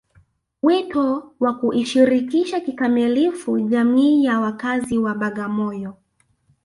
Wito wa kuishirikisha kikamilifu jamii ya wakazi wa Bagamoyo